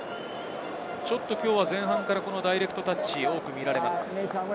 ちょっと、きょうは前半からダイレクトタッチが多く見られます。